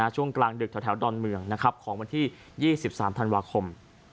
ช่วงกลางดึกแถวดอนเมืองของวันที่๒๓ธันวาคม